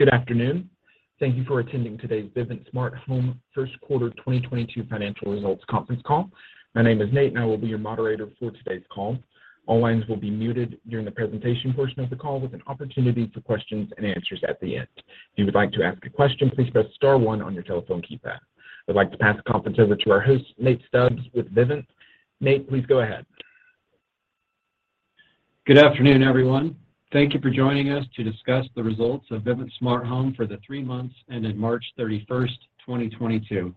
Good afternoon. Thank you for attending today's Vivint Smart Home Q1 2022 financial results conference call. My name is Nate, and I will be your moderator for today's call. All lines will be muted during the presentation portion of the call with an opportunity for questions and answers at the end. If you would like to ask a question, please press star one on your telephone keypad. I'd like to pass the conference over to our host, Nate Stubbs with Vivint. Nate, please go ahead. Good afternoon, everyone. Thank you for joining us to discuss the results of Vivint Smart Home for the three months ended March 31st, 2022.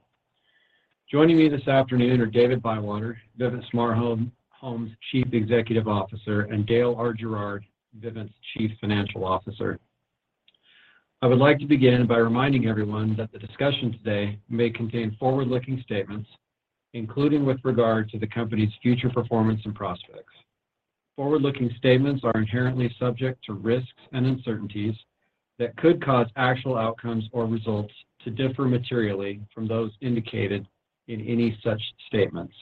Joining me this afternoon are David Bywater, Vivint Smart Home's Chief Executive Officer, and Dale R. Gerard, Vivint's Chief Financial Officer. I would like to begin by reminding everyone that the discussion today may contain forward-looking statements, including with regard to the company's future performance and prospects. Forward-looking statements are inherently subject to risks and uncertainties that could cause actual outcomes or results to differ materially from those indicated in any such statements.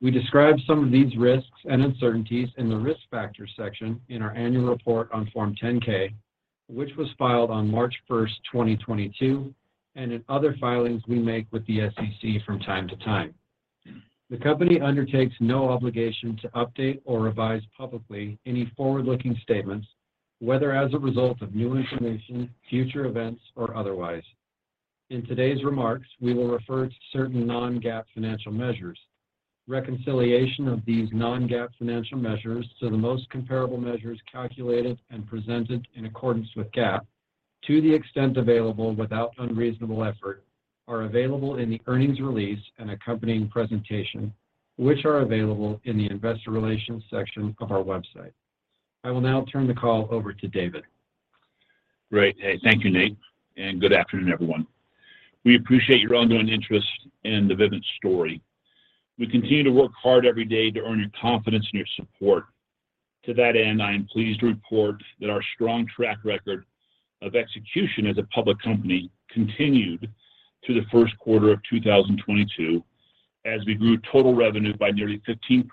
We describe some of these risks and uncertainties in the Risk Factors section in our annual report on Form 10-K, which was filed on March 1st, 2022, and in other filings we make with the SEC from time to time. The company undertakes no obligation to update or revise publicly any forward-looking statements, whether as a result of new information, future events, or otherwise. In today's remarks, we will refer to certain non-GAAP financial measures. Reconciliation of these non-GAAP financial measures to the most comparable measures calculated and presented in accordance with GAAP, to the extent available without unreasonable effort, are available in the earnings release and accompanying presentation, which are available in the Investor Relations section of our website. I will now turn the call over to David Bywater. Great. Hey, thank you, Nate, and good afternoon, everyone. We appreciate your ongoing interest in the Vivint story. We continue to work hard every day to earn your confidence and your support. To that end, I am pleased to report that our strong track record of execution as a public company continued through the Q1 of 2022 as we grew total revenue by nearly 15%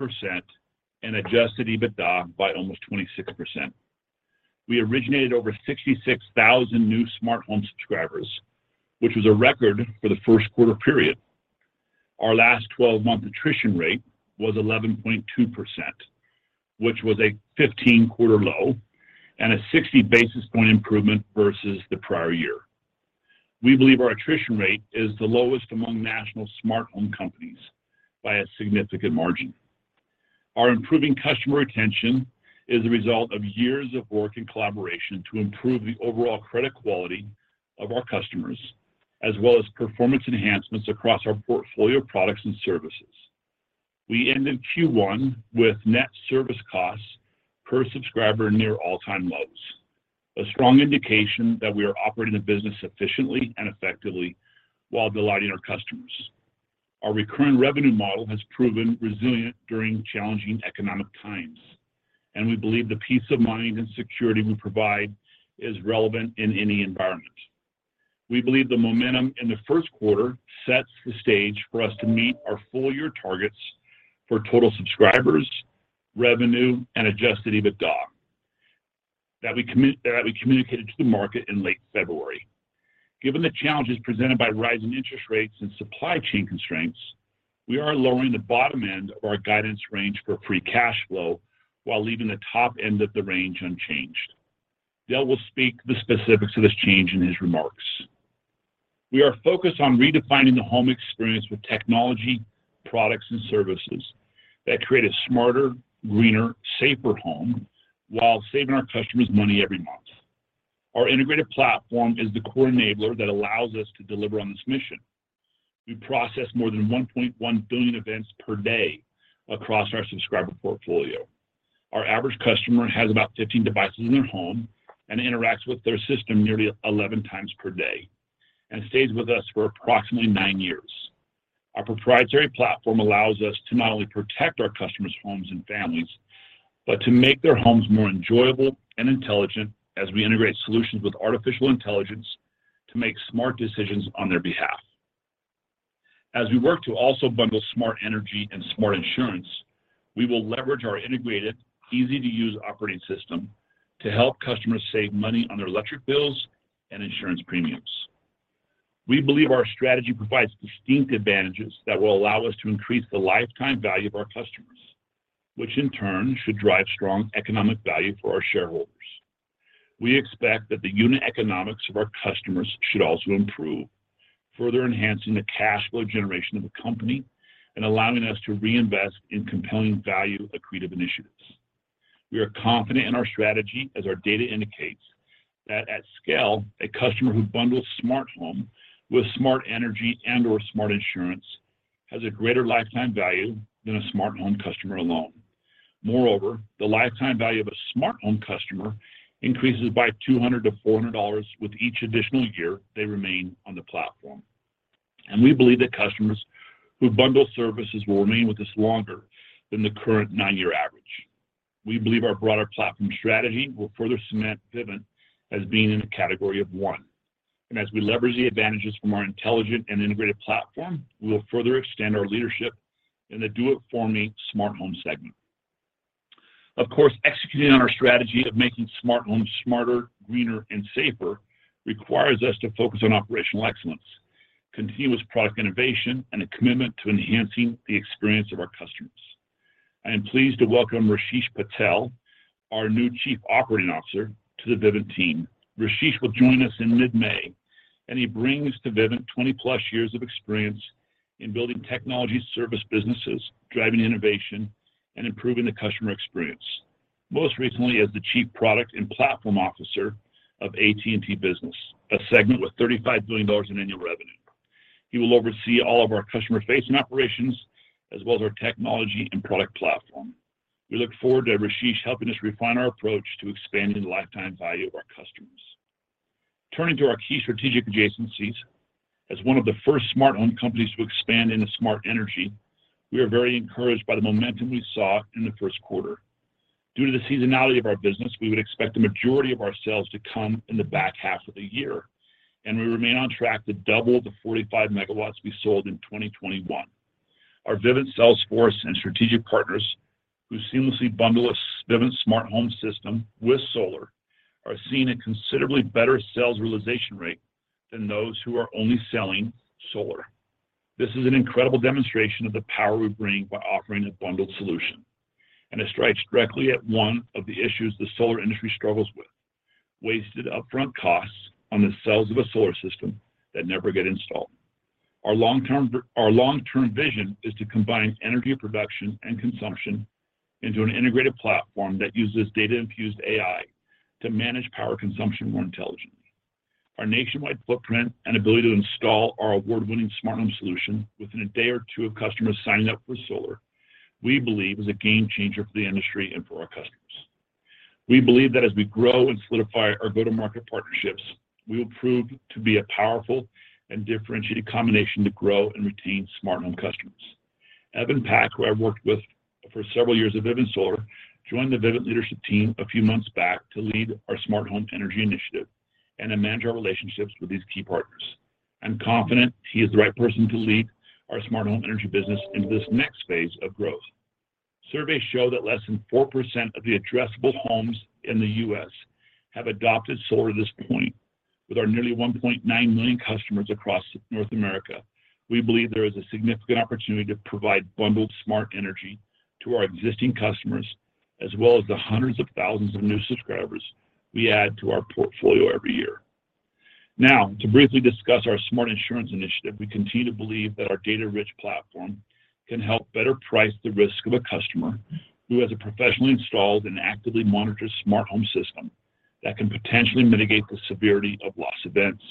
and adjusted EBITDA by almost 26%. We originated over 66,000 new Smart Home subscribers, which was a record for the Q1 period. Our last twelve-month attrition rate was 11.2%, which was a 15-quarter low and a 60 basis points improvement versus the prior year. We believe our attrition rate is the lowest among national Smart Home companies by a significant margin. Our improving customer retention is a result of years of work and collaboration to improve the overall credit quality of our customers, as well as performance enhancements across our portfolio of products and services. We end in Q1 with net service costs per subscriber near all-time lows, a strong indication that we are operating the business efficiently and effectively while delighting our customers. Our recurring revenue model has proven resilient during challenging economic times, and we believe the peace of mind and security we provide is relevant in any environment. We believe the momentum in the Q1 sets the stage for us to meet our full year targets for total subscribers, revenue, and adjusted EBITDA that we communicated to the market in late February. Given the challenges presented by rising interest rates and supply chain constraints, we are lowering the bottom end of our guidance range for free cash flow while leaving the top end of the range unchanged. Dale will speak to the specifics of this change in his remarks. We are focused on redefining the home experience with technology, products, and services that create a smarter, greener, safer home while saving our customers money every month. Our integrated platform is the core enabler that allows us to deliver on this mission. We process more than 1.1 billion events per day across our subscriber portfolio. Our average customer has about 15 devices in their home and interacts with their system nearly 11x per day and stays with us for approximately nine years. Our proprietary platform allows us to not only protect our customers' homes and families, but to make their homes more enjoyable and intelligent as we integrate solutions with artificial intelligence to make smart decisions on their behalf. As we work to also bundle Smart Energy and Smart Insurance, we will leverage our integrated, easy-to-use operating system to help customers save money on their electric bills and insurance premiums. We believe our strategy provides distinct advantages that will allow us to increase the lifetime value of our customers, which in turn should drive strong economic value for our shareholders. We expect that the unit economics of our customers should also improve, further enhancing the cash flow generation of the company and allowing us to reinvest in compelling value-accretive initiatives. We are confident in our strategy as our data indicates that at scale, a customer who bundles Smart Home with Smart Energy and/or Smart Insurance has a greater lifetime value than a Smart Home customer alone. Moreover, the lifetime value of a Smart Home customer increases by $200-$400 with each additional year they remain on the platform. We believe that customers who bundle services will remain with us longer than the current nine-year average. We believe our broader platform strategy will further cement Vivint as being in a category of one. As we leverage the advantages from our intelligent and integrated platform, we will further extend our leadership in the do-it-for-me Smart Home segment. Of course, executing on our strategy of making smart homes smarter, greener, and safer requires us to focus on operational excellence, continuous product innovation, and a commitment to enhancing the experience of our customers. I am pleased to welcome Rasesh Patel, our new Chief Operating Officer, to the Vivint team. Rasesh will join us in mid-May, and he brings to Vivint 20+ years of experience in building technology service businesses, driving innovation, and improving the customer experience. Most recently, as the Chief Product and Platform Officer of AT&T Business, a segment with $35 billion in annual revenue. He will oversee all of our customer-facing operations as well as our technology and product platform. We look forward to Rasesh helping us refine our approach to expanding the lifetime value of our customers. Turning to our key strategic adjacencies, as one of the first smart home companies to expand into Smart Energy, we are very encouraged by the momentum we saw in the Q1. Due to the seasonality of our business, we would expect the majority of our sales to come in the back half of the year, and we remain on track to double the 45 MW we sold in 2021. Our Vivint sales force and strategic partners who seamlessly bundle a Vivint Smart Home system with solar are seeing a considerably better sales realization rate than those who are only selling solar. This is an incredible demonstration of the power we bring by offering a bundled solution, and it strikes directly at one of the issues the solar industry struggles with: wasted upfront costs on the sales of a solar system that never get installed. Our long-term vision is to combine energy production and consumption into an integrated platform that uses data-infused AI to manage power consumption more intelligently. Our nationwide footprint and ability to install our award-winning smart home solution within a day or two of customers signing up for solar, we believe is a game changer for the industry and for our customers. We believe that as we grow and solidify our go-to-market partnerships, we will prove to be a powerful and differentiated combination to grow and retain smart home customers. Evan Pack, who I worked with for several years at Vivint Solar, joined the Vivint leadership team a few months back to lead our smart home energy initiative and to manage our relationships with these key partners. I'm confident he is the right person to lead our smart home energy business into this next phase of growth. Surveys show that less than 4% of the addressable homes in the U.S. have adopted solar to this point. With our nearly 1.9 million customers across North America, we believe there is a significant opportunity to provide bundled smart energy to our existing customers, as well as the hundreds of thousands of new subscribers we add to our portfolio every year. Now, to briefly discuss our Smart Insurance initiative, we continue to believe that our data-rich platform can help better price the risk of a customer who has a professionally installed and actively monitored Smart Home system that can potentially mitigate the severity of loss events.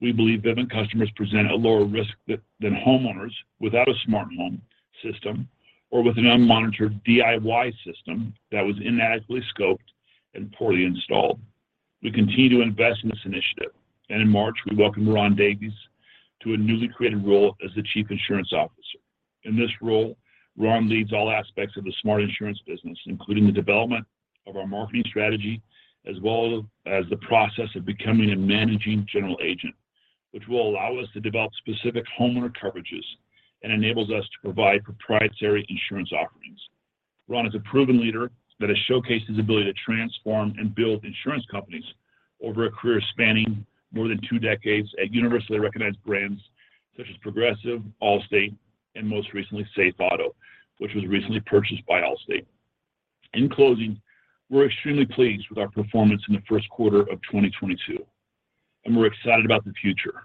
We believe Vivint customers present a lower risk than homeowners without a Smart Home system or with an unmonitored DIY system that was inadequately scoped and poorly installed. We continue to invest in this initiative, and in March, we welcomed Ron Davies to a newly created role as the Chief Insurance Officer. In this role, Ron leads all aspects of the Smart Insurance business, including the development of our marketing strategy, as well as the process of becoming a managing general agent, which will allow us to develop specific homeowner coverages and enables us to provide proprietary insurance offerings. Ron is a proven leader that has showcased his ability to transform and build insurance companies over a career spanning more than two decades at universally recognized brands such as Progressive, Allstate, and most recently, SafeAuto, which was recently purchased by Allstate. In closing, we're extremely pleased with our performance in the Q1 of 2022, and we're excited about the future.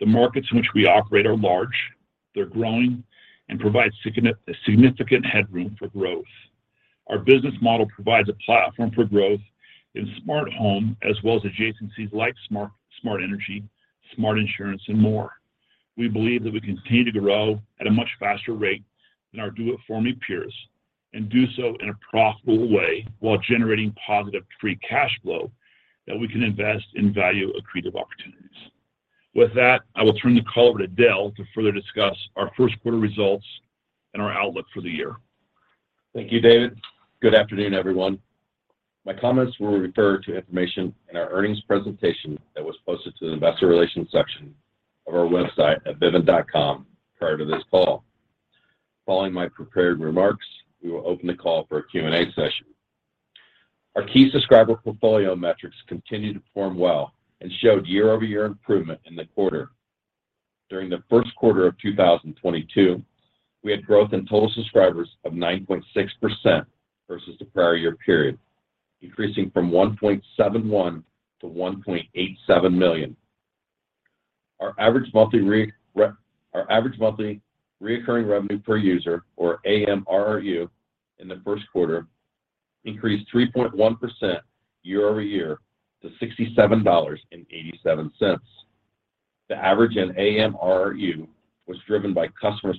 The markets in which we operate are large, they're growing, and provide significant headroom for growth. Our business model provides a platform for growth in Smart Home as well as adjacencies like Smart Energy, Smart Insurance, and more. We believe that we continue to grow at a much faster rate than our do-it-for-me peers and do so in a profitable way while generating positive free cash flow that we can invest in value-accretive opportunities. With that, I will turn the call over to Dale to further discuss our Q1 results and our outlook for the year. Thank you, David. Good afternoon, everyone. My comments will refer to information in our earnings presentation that was posted to the investor relations section of our website at vivint.com prior to this call. Following my prepared remarks, we will open the call for a Q&A session. Our key subscriber portfolio metrics continued to perform well and showed year-over-year improvement in the quarter. During the Q1 of 2022, we had growth in total subscribers of 9.6% versus the prior year period, increasing from 1.71 to 1.87 million. Our average monthly recurring revenue per user, or AMRRU, in the Q1 increased 3.1% year over year to $67.87. The average in AMRRU was driven by customers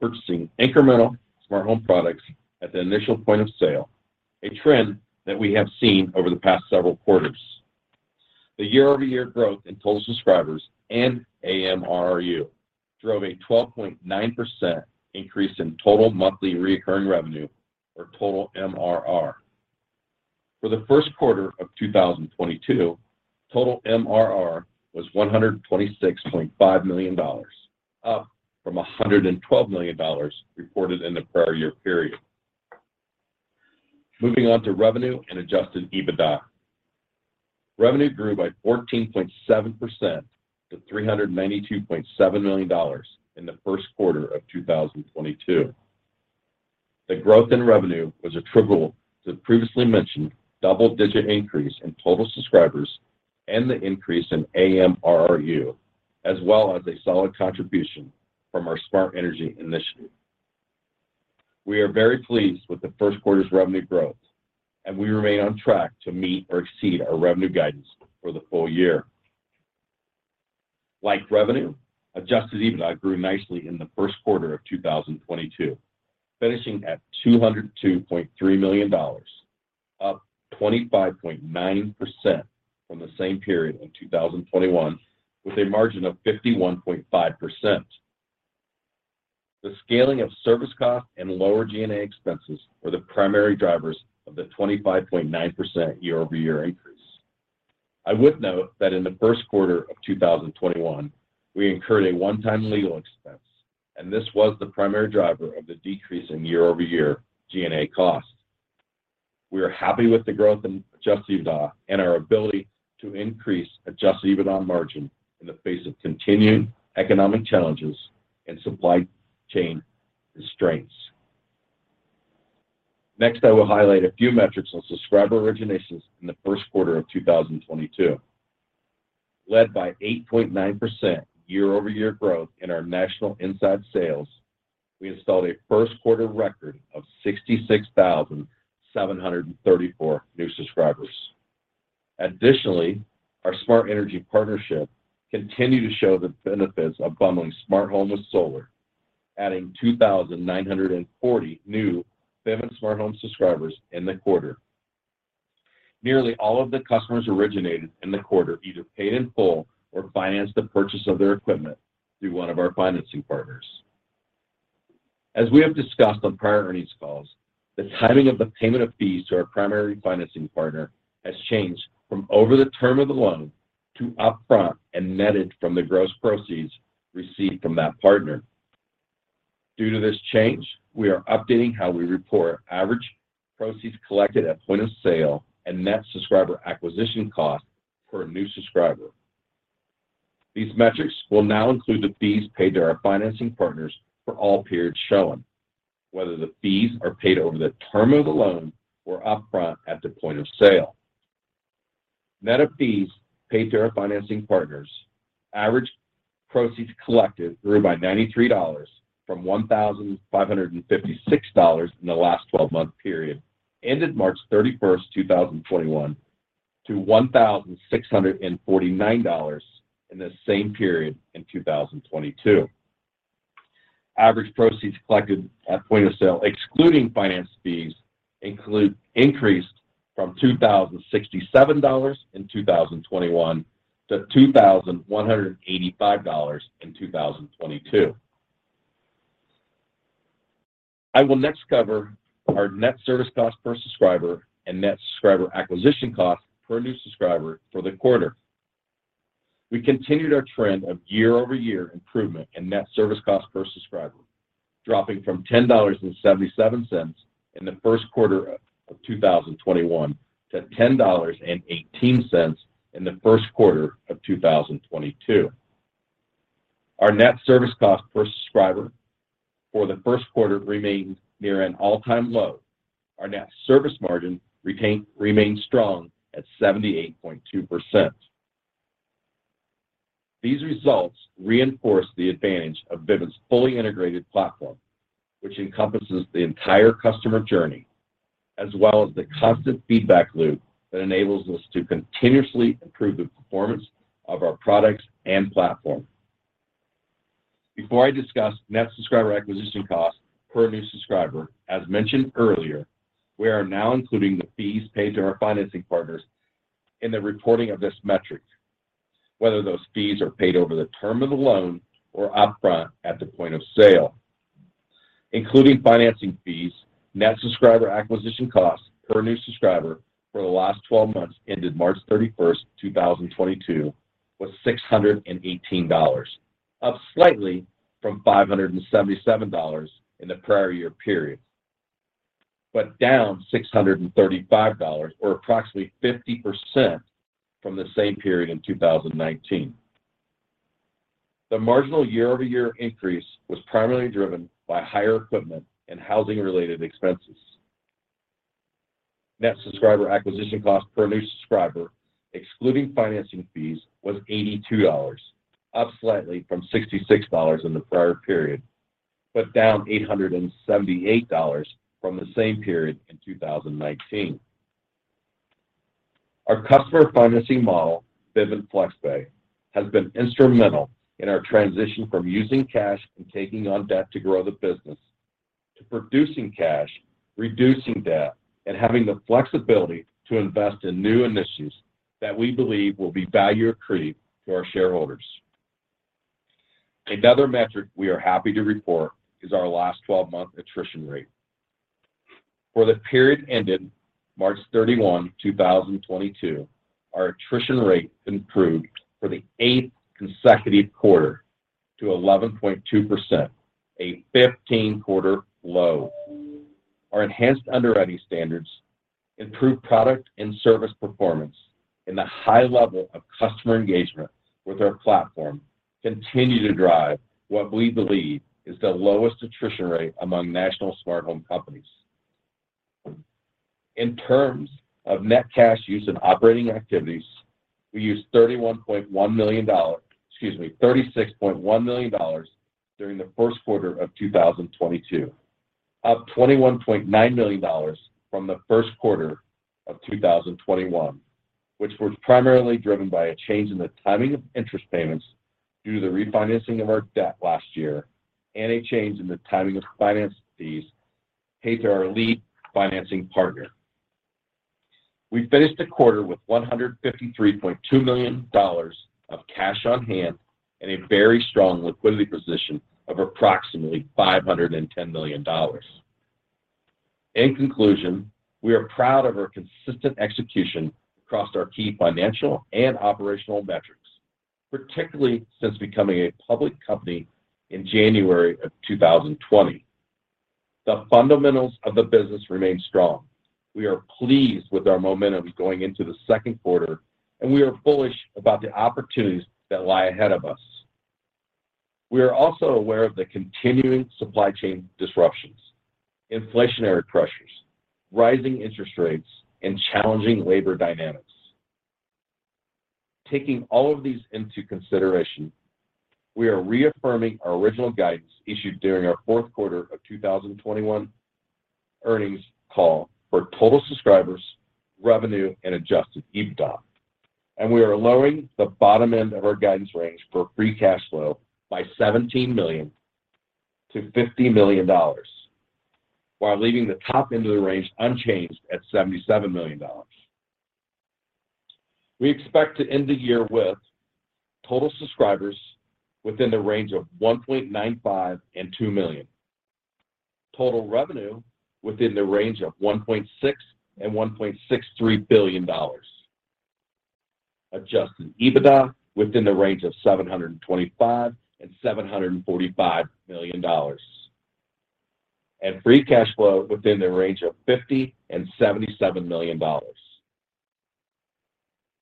purchasing incremental smart home products at the initial point of sale, a trend that we have seen over the past several quarters. The year-over-year growth in total subscribers and AMRRU drove a 12.9% increase in total monthly recurring revenue, or total MRR. For the Q1 of 2022, total MRR was $126.5 million, up from $112 million reported in the prior year period. Moving on to revenue and adjusted EBITDA. Revenue grew by 14.7% to $392.7 million in the Q1 of 2022. The growth in revenue was attributable to the previously mentioned double-digit increase in total subscribers and the increase in AMRRU, as well as a solid contribution from our Smart Energy initiative. We are very pleased with the Q1's revenue growth, and we remain on track to meet or exceed our revenue guidance for the full year. Like revenue, adjusted EBITDA grew nicely in the Q1 of 2022, finishing at $202.3 million, up 25.9% from the same period in 2021, with a margin of 51.5%. The scaling of service costs and lower G&A expenses were the primary drivers of the 25.9% year-over-year increase. I would note that in the Q1 of 2021, we incurred a one-time legal expense, and this was the primary driver of the decrease in year-over-year G&A costs. We are happy with the growth in adjusted EBITDA and our ability to increase adjusted EBITDA margin in the face of continued economic challenges and supply chain constraints. Next, I will highlight a few metrics on subscriber originations in the Q1 of 2022. Led by 8.9% year-over-year growth in our national inside sales, we installed a Q1 record of 66,734 new subscribers. Additionally, our Smart Energy partnership continued to show the benefits of bundling Smart Home with solar, adding 2,940 new Vivint Smart Home subscribers in the quarter. Nearly all of the customers originated in the quarter either paid in full or financed the purchase of their equipment through one of our financing partners. As we have discussed on prior earnings calls, the timing of the payment of fees to our primary financing partner has changed from over the term of the loan to upfront and netted from the gross proceeds received from that partner. Due to this change, we are updating how we report average proceeds collected at point of sale and net subscriber acquisition costs for a new subscriber. These metrics will now include the fees paid to our financing partners for all periods shown, whether the fees are paid over the term of the loan or upfront at the point of sale. Net of fees paid to our financing partners, average proceeds collected grew by $93 from $1,556 in the last twelve-month period, ended March 31st, 2021, to $1,649 in the same period in 2022. Average proceeds collected at point of sale, excluding finance fees, increased from $2,067 in 2021 to $2,185 in 2022. I will next cover our net service cost per subscriber and net subscriber acquisition cost per new subscriber for the quarter. We continued our trend of year-over-year improvement in net service cost per subscriber, dropping from $10.77 in the Q1 of 2021 to $10.18 in the Q1 of 2022. Our net service cost per subscriber for the Q1 remained near an all-time low. Our net service margin remains strong at 78.2%. These results reinforce the advantage of Vivint's fully integrated platform, which encompasses the entire customer journey, as well as the constant feedback loop that enables us to continuously improve the performance of our products and platform. Before I discuss net subscriber acquisition cost per new subscriber, as mentioned earlier, we are now including the fees paid to our financing partners in the reporting of this metric, whether those fees are paid over the term of the loan or upfront at the point of sale. Including financing fees, net subscriber acquisition cost per new subscriber for the last 12 months ended March 31st, 2022 was $618, up slightly from $577 in the prior year period, but down $635 or approximately 50% from the same period in 2019. The marginal year-over-year increase was primarily driven by higher equipment and housing related expenses. Net subscriber acquisition cost per new subscriber, excluding financing fees, was $82, up slightly from $66 in the prior period, but down $878 from the same period in 2019. Our customer financing model, Vivint Flex Pay, has been instrumental in our transition from using cash and taking on debt to grow the business to producing cash, reducing debt, and having the flexibility to invest in new initiatives that we believe will be value accretive to our shareholders. Another metric we are happy to report is our last 12 month attrition rate. For the period ended March 31st, 2022, our attrition rate improved for the eighth consecutive quarter to 11.2%, a 15-quarter low. Our enhanced underwriting standards, improved product and service performance, and the high level of customer engagement with our platform continue to drive what we believe is the lowest attrition rate among national smart home companies. In terms of net cash used in operating activities, we used $36.1 million during the Q1 of 2022, up $21.9 million from the Q1 of 2021, which was primarily driven by a change in the timing of interest payments due to the refinancing of our debt last year and a change in the timing of finance fees paid to our lead financing partner. We finished the quarter with $153.2 million of cash on hand and a very strong liquidity position of approximately $510 million. In conclusion, we are proud of our consistent execution across our key financial and operational metrics, particularly since becoming a public company in January of 2020. The fundamentals of the business remain strong. We are pleased with our momentum going into the Q2, and we are bullish about the opportunities that lie ahead of us. We are also aware of the continuing supply chain disruptions, inflationary pressures, rising interest rates, and challenging labor dynamics. Taking all of these into consideration, we are reaffirming our original guidance issued during our Q4 of 2021 earnings call for total subscribers, revenue, and adjusted EBITDA. We are lowering the bottom end of our guidance range for free cash flow by $17 million to $50 million while leaving the top end of the range unchanged at $77 million. We expect to end the year with total subscribers within the range of 1.95-2 million, total revenue within the range of $1.6-$1.63 billion, adjusted EBITDA within the range of $725-$745 million, and free cash flow within the range of $50-$77 million.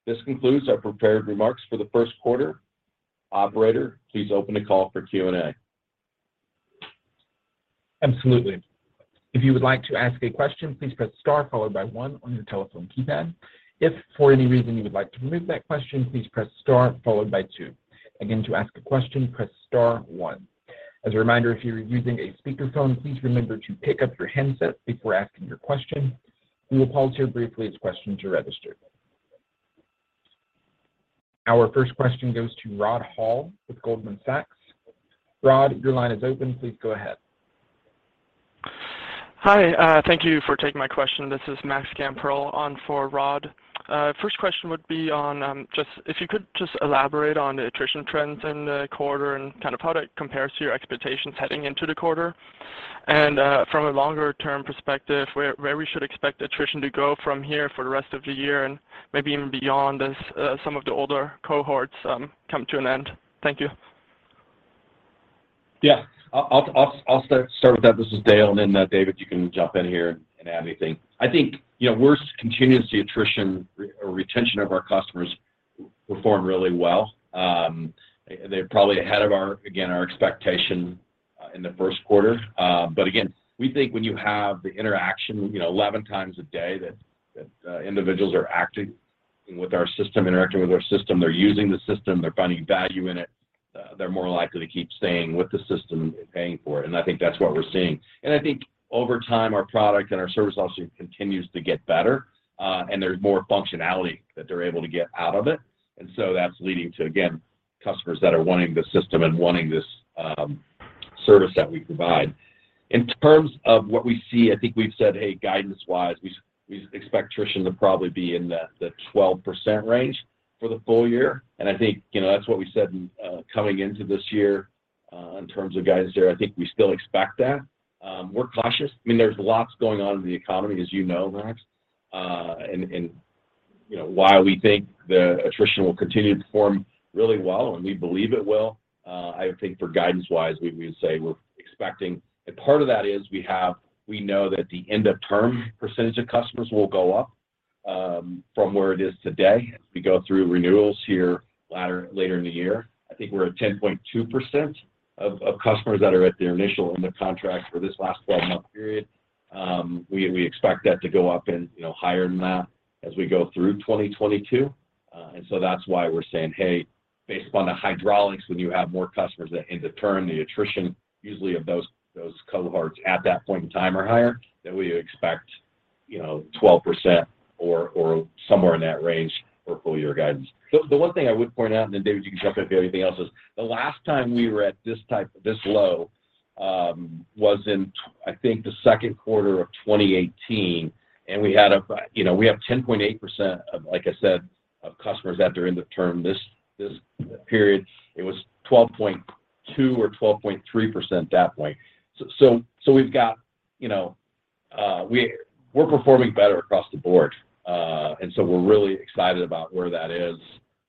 This concludes our prepared remarks for the Q1. Operator, please open the call for Q&A. Absolutely. If you would like to ask a question, please press star followed by one on your telephone keypad. If for any reason you would like to remove that question, please press star followed by two. Again, to ask a question, press star one. As a reminder, if you're using a speakerphone, please remember to pick up your handset before asking your question. We will pause here briefly as questions are registered. Our first question goes to Rod Hall with Goldman Sachs. Rod, your line is open. Please go ahead. Hi. Thank you for taking my question. This is Maxime Boucher on for Rod. First question would be on just if you could just elaborate on the attrition trends in the quarter and kind of how that compares to your expectations heading into the quarter. From a longer-term perspective, where we should expect attrition to go from here for the rest of the year and maybe even beyond as some of the older cohorts come to an end. Thank you. Yeah. I'll start with that. This is Dale, and then David, you can jump in here and add anything. I think, you know, we continue to see retention of our customers perform really well. They're probably ahead of our expectation again in the Q1. But again, we think when you have the interaction, you know, 11 times a day that individuals are interacting with our system, they're using the system, they're finding value in it, they're more likely to keep staying with the system and paying for it, and I think that's what we're seeing. I think over time, our product and our service obviously continues to get better, and there's more functionality that they're able to get out of it. That's leading to, again, customers that are wanting the system and wanting this service that we provide. In terms of what we see, I think we've said, hey, guidance-wise, we expect attrition to probably be in the 12% range for the full year. I think, you know, that's what we said in coming into this year, in terms of guidance there. I think we still expect that. We're cautious. I mean, there's lots going on in the economy, as you know, Max. And, you know, while we think the attrition will continue to perform really well, and we believe it will, I would think for guidance-wise, we'd say we're expecting. Part of that is we know that the end of term percentage of customers will go up, from where it is today as we go through renewals here later in the year. I think we're at 10.2% of customers that are at their initial end of contract for this last twelve-month period. We expect that to go up and, you know, higher than that as we go through 2022. That's why we're saying, "Hey, based upon the hydraulics, when you have more customers at end of term, the attrition usually of those cohorts at that point in time are higher than we expect, you know, 12% or somewhere in that range for full year guidance." The one thing I would point out, and then David, you can jump in if you have anything else, is the last time we were at this type of low was in I think the Q2 of 2018, and we had, you know, 10.8% of, like I said of customers at their end of term. This period, it was 12.2% or 12.3% that way. So we've got, you know, we're performing better across the board. We're really excited about where that is,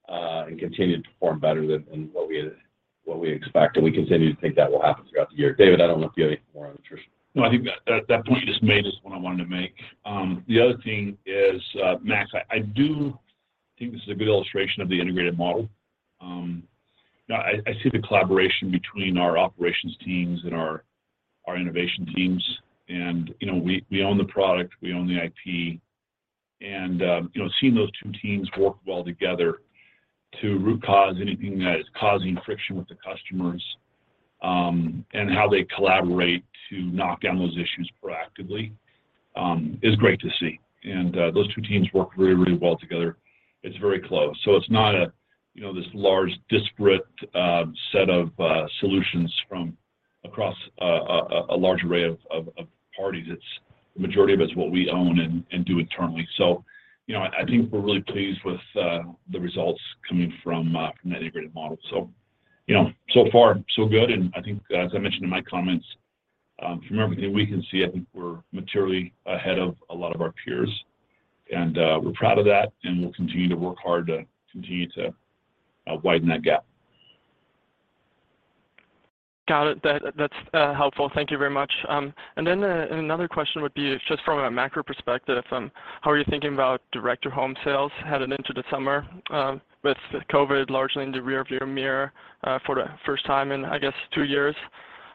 and continuing to perform better than what we expect. We continue to think that will happen throughout the year. David, I don't know if you have anything more on attrition. No, I think that point you just made is what I wanted to make. The other thing is, Max, I do think this is a good illustration of the integrated model. I see the collaboration between our operations teams and our innovation teams and, you know, we own the product, we own the IP. You know, seeing those two teams work well together to root cause anything that is causing friction with the customers and how they collaborate to knock down those issues proactively is great to see. Those two teams work really well together. It's very close. It's not, you know, this large disparate set of solutions from across a large array of parties. It's the majority of it is what we own and do internally. You know, I think we're really pleased with the results coming from that integrated model. You know, so far so good. I think as I mentioned in my comments, from everything we can see, I think we're materially ahead of a lot of our peers. We're proud of that, and we'll continue to work hard to continue to widen that gap. Got it. That's helpful. Thank you very much. Another question would be just from a macro perspective, how are you thinking about direct-to-home sales heading into the summer, with COVID largely in the rear view mirror, for the first time in, I guess, two years?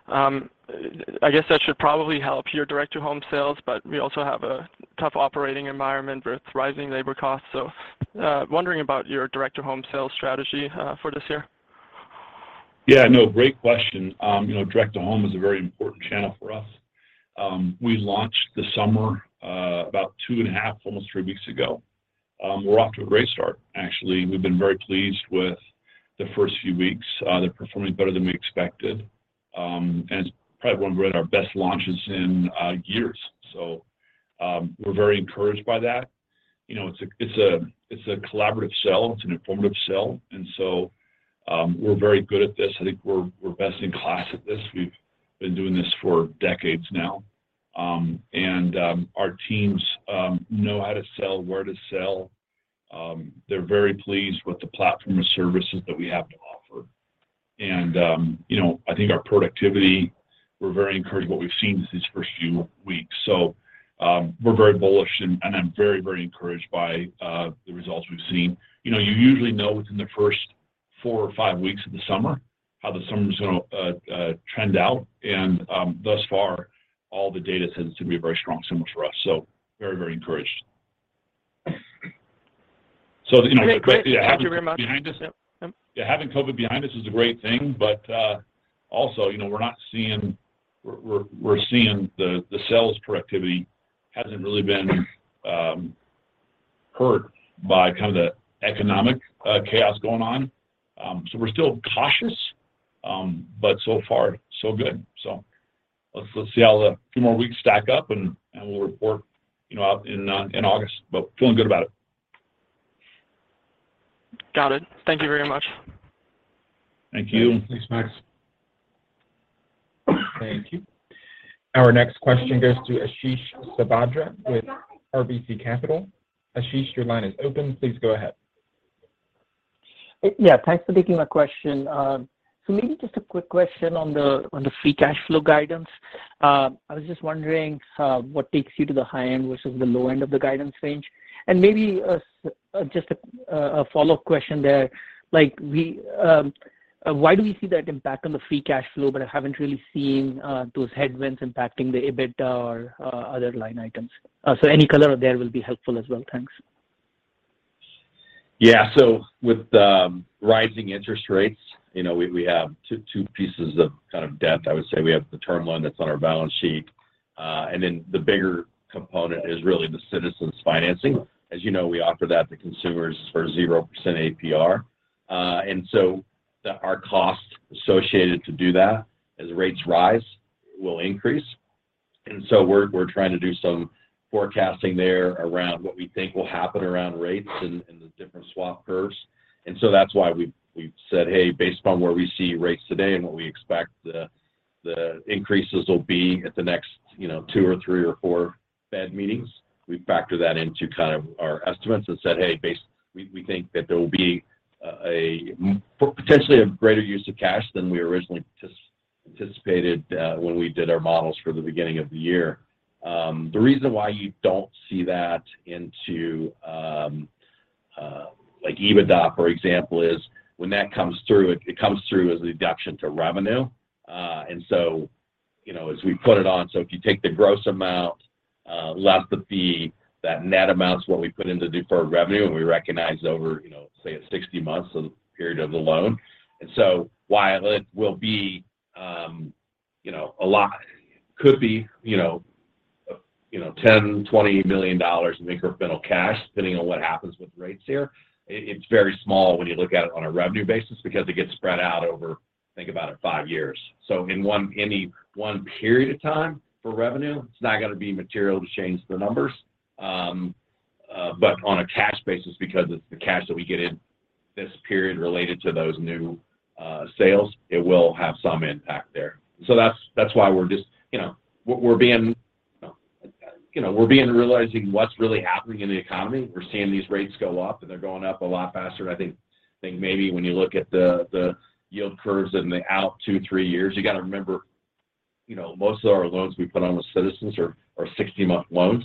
I guess that should probably help your direct-to-home sales, but we also have a tough operating environment with rising labor costs. Wondering about your direct-to-home sales strategy, for this year. Yeah, no, great question. You know, direct-to-home is a very important channel for us. We launched this summer, about 2.5, almost three weeks ago. We're off to a great start, actually. We've been very pleased with the first few weeks. They're performing better than we expected. And it's probably one of our best launches in years. We're very encouraged by that. You know, it's a collaborative sell, it's an informative sell. We're very good at this. I think we're best in class at this. We've been doing this for decades now. And our teams know how to sell, where to sell. They're very pleased with the platform of services that we have to offer. You know, I think our productivity, we're very encouraged what we've seen these first few weeks. We're very bullish and I'm very, very encouraged by the results we've seen. You know, you usually know within the first four or five weeks of the summer how the summer's gonna trend out. Thus far, all the data tends to be a very strong summer for us. Very, very encouraged. You know, the fact. Great. Thank you very much. Behind us. Yeah, having COVID behind us is a great thing. Also, you know, we're seeing the sales productivity hasn't really been hurt by kind of the economic chaos going on. We're still cautious, but so far so good. Let's see how the few more weeks stack up, and we'll report, you know, out in August, but feeling good about it. Got it. Thank you very much. Thank you. Thanks, Max. Thank you. Our next question goes to Ashish Sabadra with RBC Capital. Ashish, your line is open. Please go ahead. Yeah, thanks for taking my question. Maybe just a quick question on the free cash flow guidance. I was just wondering what takes you to the high end versus the low end of the guidance range? Maybe just a follow-up question there, like why do we see that impact on the free cash flow, but I haven't really seen those headwinds impacting the EBITDA or other line items? Any color there will be helpful as well. Thanks. Yeah. With rising interest rates, you know, we have two pieces of kind of debt, I would say. We have the term loan that's on our balance sheet. And then the bigger component is really the Citizens financing. As you know, we offer that to consumers for 0% APR. Our cost associated to do that as rates rise will increase. We're trying to do some forecasting there around what we think will happen around rates and the different swap curves. That's why we've said, "Hey, based upon where we see rates today and what we expect the increases will be at the next two or three or four Fed meetings," we factor that into kind of our estimates and said, "Hey, we think that there will be potentially a greater use of cash than we originally anticipated when we did our models for the beginning of the year." The reason why you don't see that in, like EBITDA, for example, is when that comes through, it comes through as a deduction to revenue. You know, as we put it on, if you take the gross amount, less the fee, that net amount is what we put into deferred revenue, and we recognize over, you know, say at 60 months of the period of the loan. While it will be, you know, a lot, could be, you know, $10 million-$20 million in incremental cash, depending on what happens with rates here, it's very small when you look at it on a revenue basis because it gets spread out over, think about it, five years. In any one period of time for revenue, it's not gonna be material to change the numbers. On a cash basis because it's the cash that we get in this period related to those new sales, it will have some impact there. That's why we're just, you know, we're realizing what's really happening in the economy. We're seeing these rates go up, and they're going up a lot faster I think maybe when you look at the yield curves and the out two, three years. You gotta remember, you know, most of our loans we put on with Citizens are 60-month loans.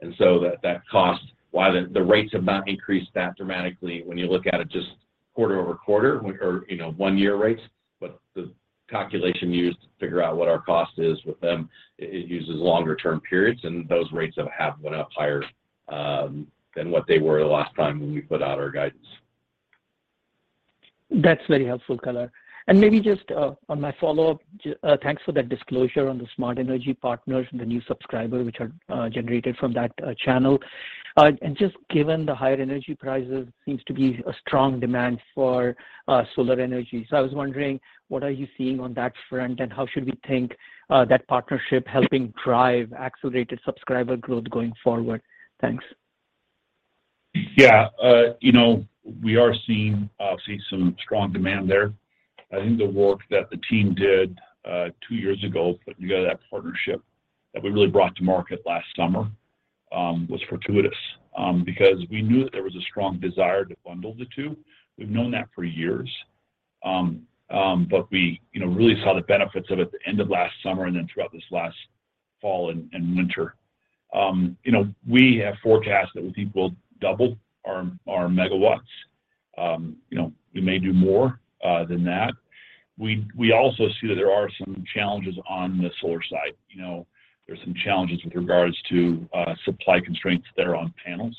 That cost, while the rates have not increased that dramatically when you look at it just quarter-over-quarter or, you know, one-year rates, but the calculation used to figure out what our cost is with them, it uses longer term periods, and those rates have went up higher than what they were the last time when we put out our guidance. That's very helpful color. Maybe just on my follow-up, thanks for that disclosure on the Smart Energy partners and the new subscriber which are generated from that channel. Just given the higher energy prices seems to be a strong demand for solar energy. I was wondering, what are you seeing on that front, and how should we think that partnership helping drive accelerated subscriber growth going forward? Thanks. Yeah. You know, we are seeing some strong demand there. I think the work that the team did two years ago putting together that partnership that we really brought to market last summer was fortuitous because we knew that there was a strong desire to bundle the two. We've known that for years. We, you know, really saw the benefits of it at the end of last summer and then throughout this last fall and winter. You know, we have forecast that we think we'll double our megawatts. You know, we may do more than that. We also see that there are some challenges on the solar side. You know, there's some challenges with regards to supply constraints there on panels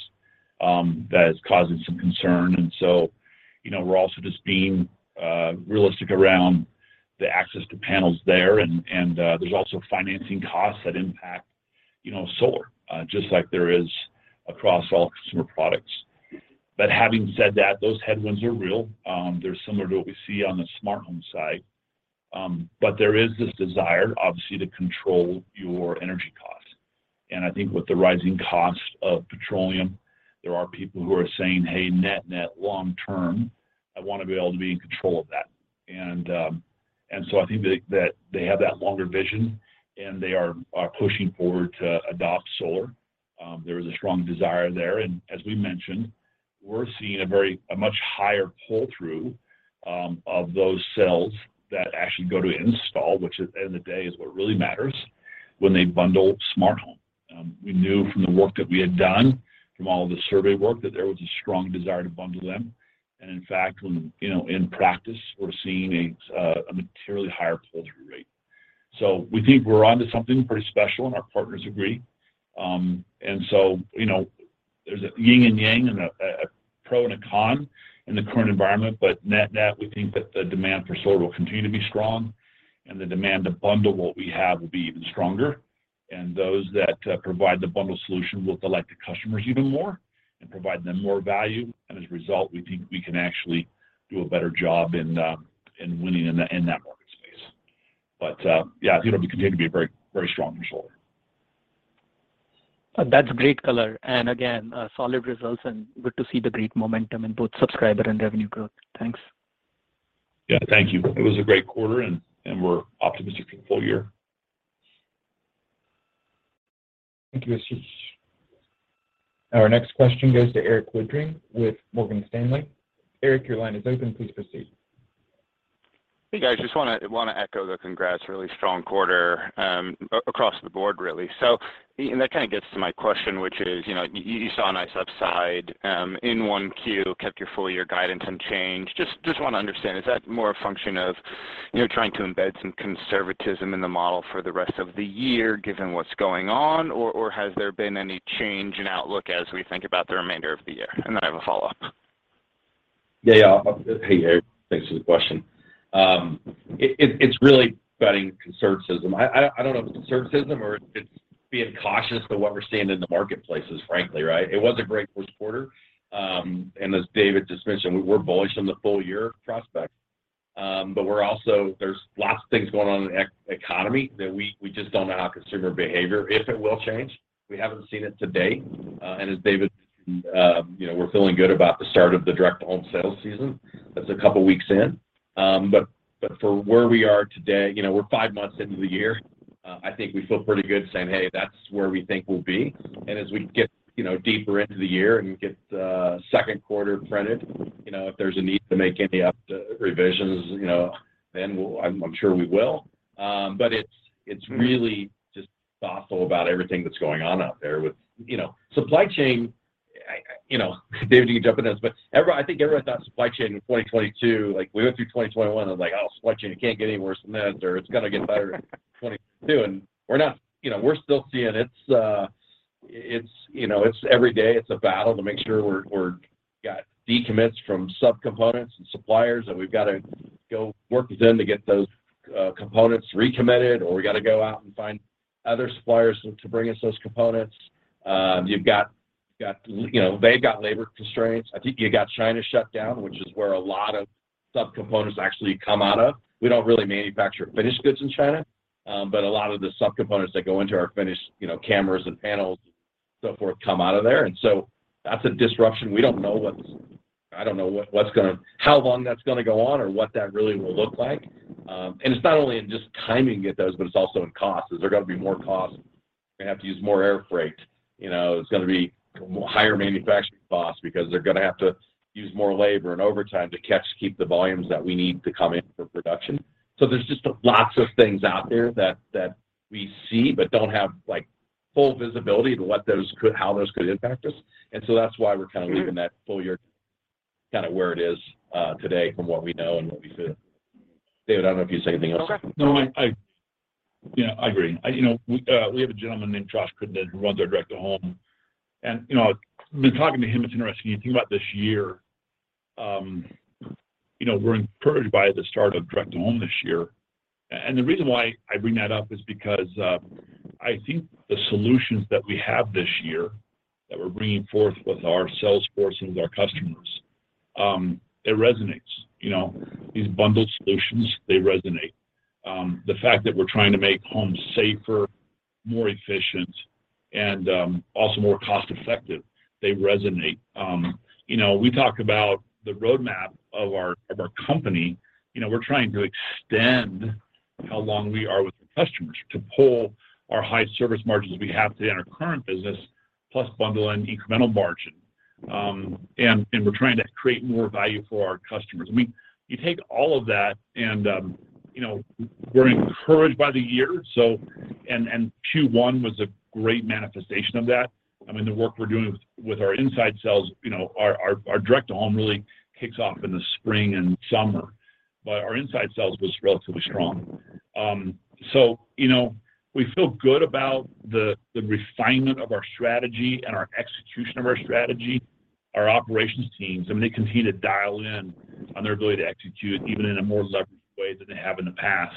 that is causing some concern. You know, we're also just being realistic around the access to panels there. There's also financing costs that impact, you know, solar, just like there is across all consumer products. Having said that, those headwinds are real. They're similar to what we see on the smart home side. There is this desire obviously to control your energy costs. I think with the rising cost of petroleum, there are people who are saying, "Hey, net-net long term, I wanna be able to be in control of that." I think that they have that longer vision, and they are pushing forward to adopt solar. There is a strong desire there. As we mentioned, we're seeing a much higher pull-through of those sales that actually go to install, which at the end of the day is what really matters when they bundle smart home. We knew from the work that we had done from all of the survey work that there was a strong desire to bundle them. In fact, you know, in practice, we're seeing a materially higher pull-through rate. We think we're onto something pretty special, and our partners agree. There's a yin and yang and a pro and a con in the current environment. Net-net, we think that the demand for solar will continue to be strong, and the demand to bundle what we have will be even stronger. Those that provide the bundle solution will delight the customers even more and provide them more value. As a result, we think we can actually do a better job in winning in that market space. Yeah, you know, we continue to be very, very strong in solar. That's great color. Again, solid results and good to see the great momentum in both subscriber and revenue growth. Thanks. Yeah. Thank you. It was a great quarter, and we're optimistic for the full year. Thank you, Ashish. Our next question goes to Erik Woodring with Morgan Stanley. Erik, your line is open. Please proceed. Hey, guys. Just wanna echo the congrats. Really strong quarter across the board really. That kinda gets to my question, which is, you know, you saw a nice upside in Q1, kept your full year guidance unchanged. Just wanna understand, is that more a function of, you know, trying to embed some conservatism in the model for the rest of the year given what's going on, or has there been any change in outlook as we think about the remainder of the year? I have a follow-up. Yeah, yeah. Hey, Erik. Thanks for the question. It's really reflecting conservatism. I don't know if it's conservatism or if it's being cautious about what we're seeing in the marketplace, frankly, right? It was a great Q1. As David just mentioned, we're bullish on the full-year prospects. There's lots of things going on in the economy that we just don't know how consumer behavior, if it will change. We haven't seen it to date. As David mentioned, we're feeling good about the start of the direct-to-home sales season that's a couple weeks in. For where we are today, you know, we're five months into the year. I think we feel pretty good saying, "Hey, that's where we think we'll be." As we get, you know, deeper into the year and get Q2 printed, you know, if there's a need to make any upward revisions, you know, then we'll. I'm sure we will. It's really just thoughtful about everything that's going on out there with, you know, supply chain. You know, David, you can jump in on this, but I think everyone thought supply chain in 2022, like we went through 2021 and was like, "Oh, supply chain, it can't get any worse than this," or, "It's gonna get better in 2022." We're not. You know, we're still seeing it's, you know, it's every day it's a battle to make sure we've got decommits from subcomponents and suppliers, and we've gotta go work with them to get those components recommitted, or we gotta go out and find other suppliers to bring us those components. You've got, you know, they've got labor constraints. I think you've got China shut down, which is where a lot of subcomponents actually come out of. We don't really manufacture finished goods in China, but a lot of the subcomponents that go into our finished, you know, cameras and panels and so forth come out of there. That's a disruption. I don't know how long that's gonna go on or what that really will look like. It's not only in just timing to get those, but it's also in cost. Is there gonna be more cost? We're gonna have to use more air freight. You know, there's gonna be higher manufacturing costs because they're gonna have to use more labor and overtime to catch up to keep the volumes that we need to come in for production. There's just lots of things out there that we see, but don't have, like, full visibility to how those could impact us. That's why we're kind of leaving that full year kind of where it is, today from what we know and what we see. David, I don't know if you see anything else. Okay. No, you know, I agree. You know, we have a gentleman named Josh Crittenden who runs our direct-to-home. You know, been talking to him, it's interesting. You think about this year, you know, we're encouraged by the start of direct-to-home this year. The reason why I bring that up is because I think the solutions that we have this year that we're bringing forth with our sales force and with our customers, it resonates. You know, these bundled solutions, they resonate. The fact that we're trying to make homes safer, more efficient, and also more cost-effective, they resonate. You know, we talk about the roadmap of our company. You know, we're trying to extend how long we are with the customers to pull our high service margins we have today in our current business plus bundle an incremental margin. We're trying to create more value for our customers. I mean, you take all of that, and you know, we're encouraged by the year. Q1 was a great manifestation of that. I mean, the work we're doing with our inside sales, you know, our direct-to-home really kicks off in the spring and summer. Our inside sales was relatively strong. You know, we feel good about the refinement of our strategy and our execution of our strategy. Our operations teams, I mean, they continue to dial in on their ability to execute even in a more leveraged way than they have in the past.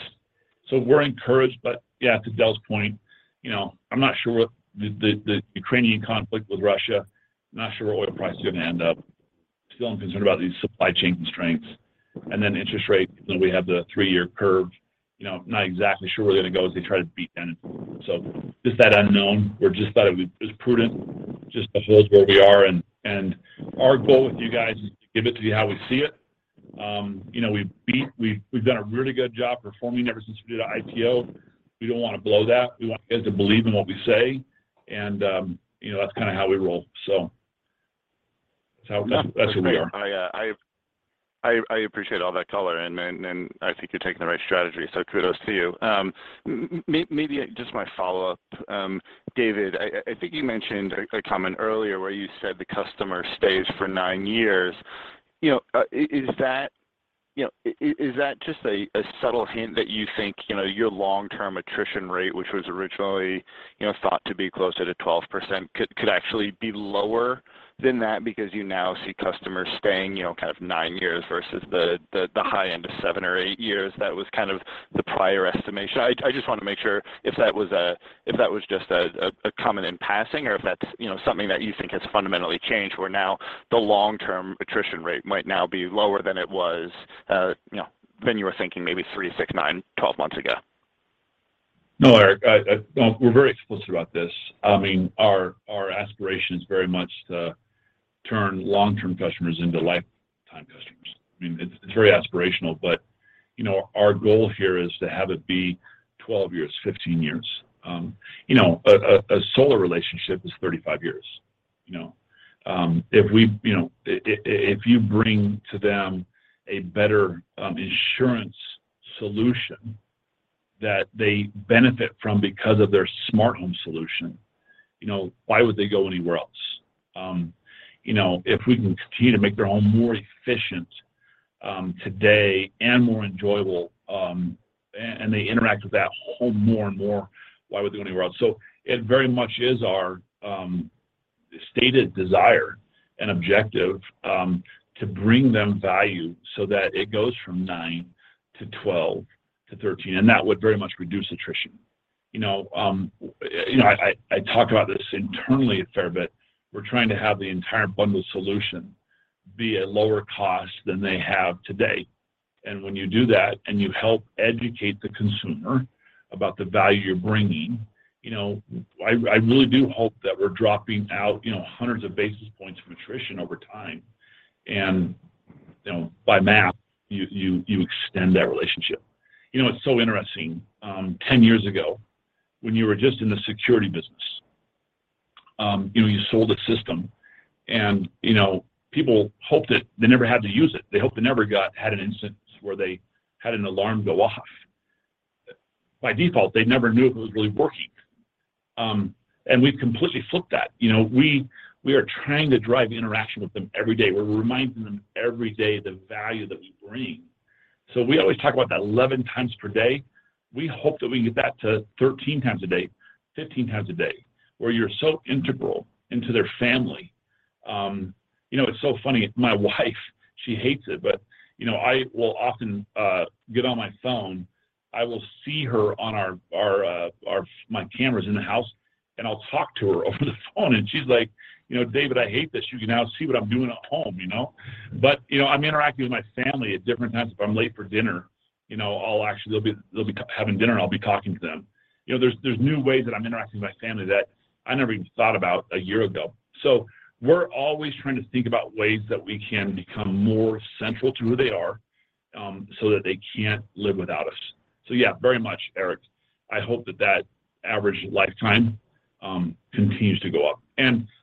We're encouraged, but yeah, to Dale's point, you know, I'm not sure what the Ukrainian conflict with Russia, I'm not sure where oil price is gonna end up. Still am concerned about these supply chain constraints and then interest rates, even though we have the three-year curve. You know, not exactly sure where that goes. We try to bake that in. Just that unknown, we just thought it would be just prudent just to hold where we are. Our goal with you guys is to give it to you how we see it. You know, we've done a really good job performing ever since we did our IPO. We don't wanna blow that. We want you guys to believe in what we say and, you know, that's kinda how we roll. That's where we are. No, that's great. I appreciate all that color and I think you're taking the right strategy, so kudos to you. Maybe just my follow-up. David, I think you mentioned a comment earlier where you said the customer stays for nine years. You know, is that just a subtle hint that you think, you know, your long-term attrition rate, which was originally, you know, thought to be closer to 12% could actually be lower than that because you now see customers staying, you know, kind of nine years versus the high end of seven or eight years that was kind of the prior estimation? I just wanna make sure if that was just a comment in passing or if that's, you know, something that you think has fundamentally changed where now the long-term attrition rate might now be lower than it was, you know, than you were thinking maybe three, six, nine 12 months ago. No, Erik, well, we're very explicit about this. I mean, our aspiration is very much to turn long-term customers into lifetime customers. I mean, it's very aspirational, but, you know, our goal here is to have it be 12 years, 15 years. You know, a solar relationship is 35 years, you know. You know, if you bring to them a better insurance solution that they benefit from because of their smart home solution, you know, why would they go anywhere else? You know, if we can continue to make their home more efficient, today and more enjoyable, and they interact with that home more and more, why would they go anywhere else? It very much is our stated desire and objective to bring them value so that it goes from nine to 12 to 13, and that would very much reduce attrition. You know, I talk about this internally a fair bit. We're trying to have the entire bundled solution be at lower cost than they have today. When you do that, and you help educate the consumer about the value you're bringing, you know, I really do hope that we're dropping out, you know, hundreds of basis points of attrition over time. You know, by math, you extend that relationship. You know, it's so interesting. 10 years ago, when you were just in the security business, you know, you sold a system, and, you know, people hoped that they never had to use it. They hoped they never had an instance where they had an alarm go off. By default, they never knew if it was really working. We've completely flipped that. We are trying to drive interaction with them every day. We're reminding them every day the value that we bring. We always talk about that 11x per day. We hope that we get that to 13x a day, 15x a day, where you're so integral into their family. It's so funny. My wife, she hates it, but I will often get on my phone. I will see her on our my cameras in the house. I'll talk to her over the phone, and she's like, "You know, David, I hate this. You can now see what I'm doing at home, you know? You know, I'm interacting with my family at different times. If I'm late for dinner, you know, they'll be having dinner, and I'll be talking to them. You know, there's new ways that I'm interacting with my family that I never even thought about a year ago. We're always trying to think about ways that we can become more central to who they are, so that they can't live without us. Yeah, very much, Erik. I hope that average lifetime continues to go up.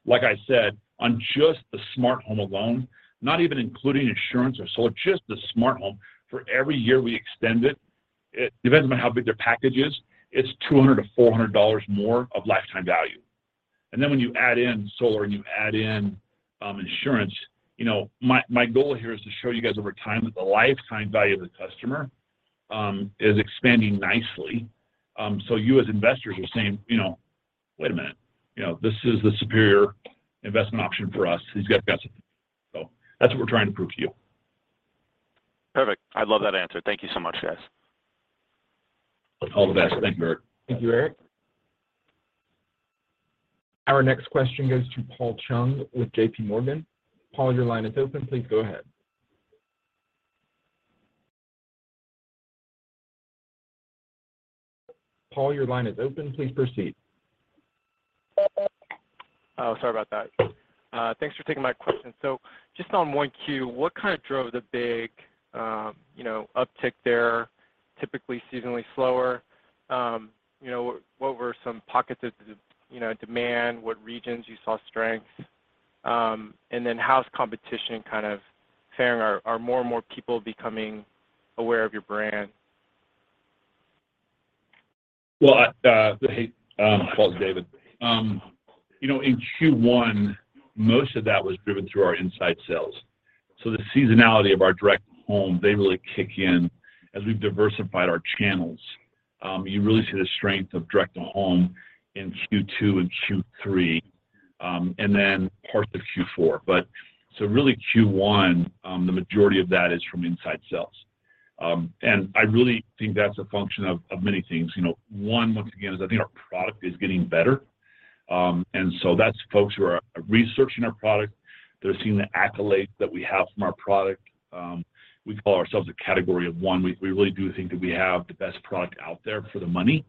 Like I said, on just the Smart Home alone, not even including insurance or solar, just the Smart Home, for every year we extend it depends on how big their package is. It's $200-$400 more of lifetime value. When you add in solar and you add in insurance. You know, my goal here is to show you guys over time that the lifetime value of the customer is expanding nicely. You as investors are saying, you know, "Wait a minute. You know, this is the superior investment option for us. He's got something." That's what we're trying to prove to you. Perfect. I love that answer. Thank you so much, guys. All the best. Thank you, Erik. Thank you, Erik. Our next question goes to Paul Chung with JPMorgan. Paul, your line is open. Please go ahead. Paul, your line is open. Please proceed. Oh, sorry about that. Thanks for taking my question. Just on Q1, what kind of drove the big you know uptick there, typically seasonally slower? You know, what were some pockets of you know demand? What regions you saw strength? How's competition kind of faring? Are more and more people becoming aware of your brand? Well, hey, Paul. It's David. You know, in Q1, most of that was driven through our inside sales. The seasonality of our direct-to-home, they really kick in as we've diversified our channels. You really see the strength of direct-to-home in Q2 and Q3, and then parts of Q4. Really Q1, the majority of that is from inside sales. I really think that's a function of many things. You know, one, once again, is I think our product is getting better. That's folks who are researching our product. They're seeing the accolades that we have from our product. We call ourselves a category of one. We really do think that we have the best product out there for the money.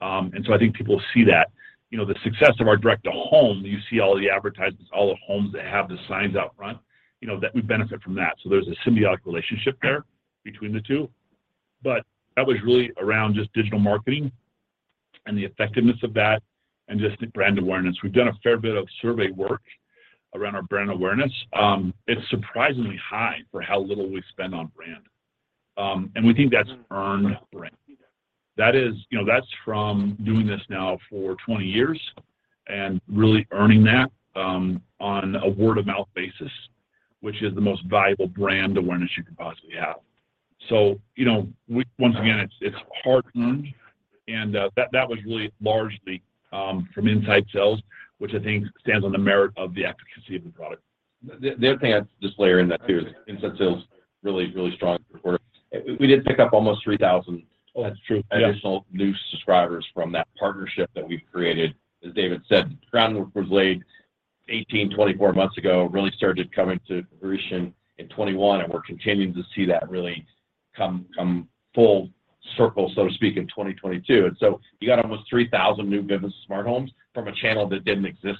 I think people see that. You know, the success of our direct-to-home, you see all the advertisements, all the homes that have the signs out front, you know, that we benefit from that. There's a symbiotic relationship there between the two. That was really around just digital marketing and the effectiveness of that and just the brand awareness. We've done a fair bit of survey work around our brand awareness. It's surprisingly high for how little we spend on brand. And we think that's earned brand. That is, you know, that's from doing this now for 20 years and really earning that, on a word-of-mouth basis, which is the most valuable brand awareness you can possibly have. You know, once again, it's hard earned, and that was really largely from inside sales, which I think stands on the merit of the efficacy of the product. The other thing I'd just layer in that too is the inside sales really strong quarter. We did pick up almost 3,000 additional new subscribers from that partnership that we've created. As David said, groundwork was laid 18, 24 months ago, really started to come into fruition in 2021, and we're continuing to see that really come full circle, so to speak, in 2022. You got almost 3,000 new Vivint Smart Homes from a channel that didn't exist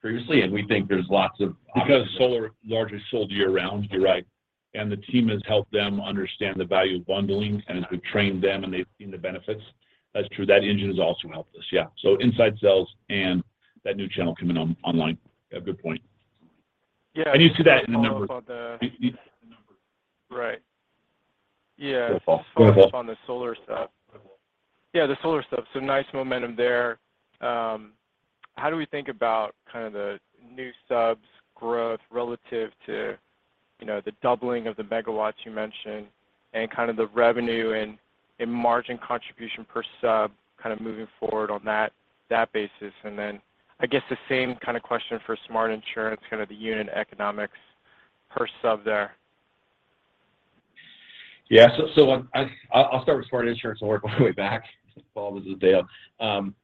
previously, and we think there's lots of opportunities. Because solar largely sold year-round. You're right. The team has helped them understand the value of bundling, and as we've trained them and they've seen the benefits. That's true. That engine has also helped us. Yeah. Inside sales and that new channel coming online. Yeah, good point. Yeah. You see that in the numbers. I follow up on the. You. Right. Yeah. Go ahead, Paul. Just following up on the solar stuff. Yeah, the solar stuff, so nice momentum there. How do we think about kind of the new subs growth relative to, you know, the doubling of the megawatts you mentioned and kind of the revenue and margin contribution per sub kind of moving forward on that basis? I guess the same kind of question for Smart Insurance, kind of the unit economics per sub there? I'll start with Smart Insurance and work my way back. Paul, this is Dale.